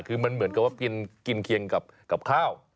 คือมันเหมือนกับว่ากินเคียงกับข้าว